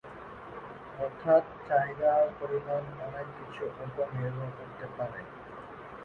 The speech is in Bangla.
অর্থাৎ, চাহিদার পরিমাণ অনেক কিছুর ওপর নির্ভর করতে পারে।